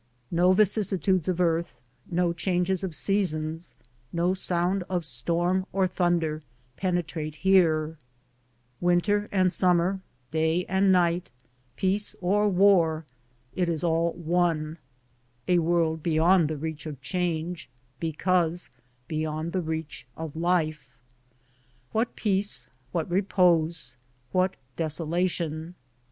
No vicissitudes of earth, no changes of seasons, no sound of storm or thunder penetrate here; winter and summer, day and night, peace or war, it is all one; a world beyond the reach of change, because beyond the reach of life. What peace, what repose, what desolation!